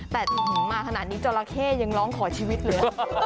แต่มาขนาดนี้จราเข้ยังร้องขอชีวิตเลย